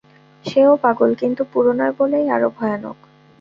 সেও পাগল, কিন্তু পুরো নয় বলেই আরো ভয়ানক।